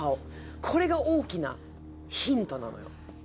これが大きなヒントなのよ